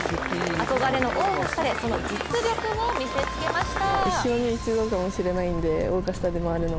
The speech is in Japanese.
憧れのオーガスタでその実力を見せつけました。